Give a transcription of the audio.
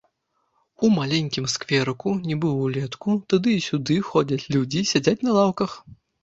У маленькім скверыку, нібы ўлетку, туды і сюды ходзяць людзі, сядзяць на лаўках.